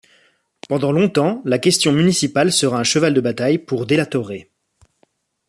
Pendant longtemps, la question municipale sera un cheval de bataille pour De la Torre.